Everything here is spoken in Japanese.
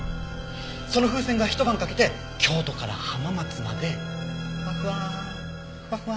その風船がひと晩かけて京都から浜松までふわふわふわふわ。